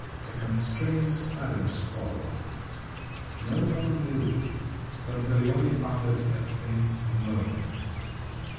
A constrained silence followed…. No one moved. Pantaleone uttered a faint moan.